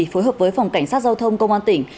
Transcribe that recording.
phối hợp với phòng cảnh sát giao thông công an tỉnh